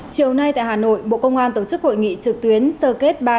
chiều nay tại hà nội bộ công an tổ chức hội nghị trực tuyến sơ kết ba